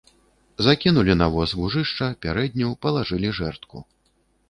Закінулі на воз вужышча, пярэдню, палажылі жэрдку.